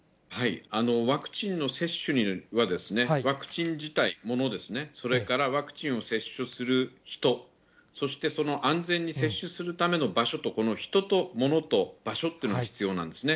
ワクチンの接種には、ワクチン自体、物ですね、それからワクチンを接種する人、そしてその安全に接種するための場所と、この人と物と場所ってのが必要なんですね。